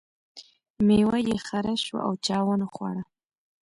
میوه یې خره شوه او چا ونه خوړه.